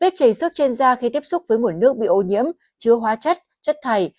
vết chảy xước trên da khi tiếp xúc với nguồn nước bị ô nhiễm chứa hóa chất chất thầy